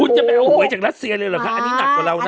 โอ๊ยจากรัสเซียเลยเหรอคะอันนี้หนักกว่าเรานะคะ